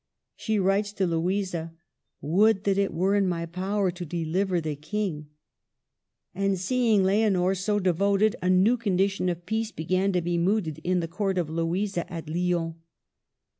She writes to Louisa, '' Would that it were in my power to deliver the King !" And, seeing Leonor so devoted, a new condition of peace be gan to be mooted in the court of Louisa at Lyons.